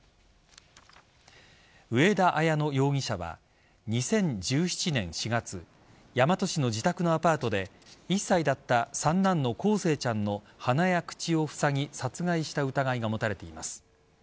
上田綾乃容疑者は２０１７年４月大和市の自宅のアパートで１歳だった三男の康生ちゃんの鼻や口をふさぎ殺害した疑いが持たれています。